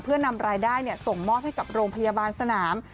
เพื่อนำรายได้ส่งมอบให้กับโรงพยาบาลสนาม